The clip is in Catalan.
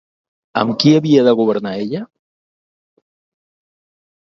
Amb qui havia de governar ella?